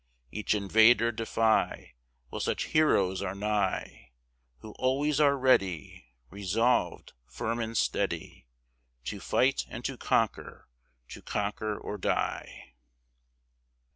Each invader defy, While such heroes are nigh, Who always are ready, Resolved, firm, and steady To fight, and to conquer, to conquer or die.